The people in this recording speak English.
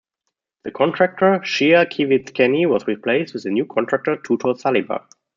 The contractor, Shea-Kiewit-Kenny, was replaced with a new contractor, Tutor Saliba.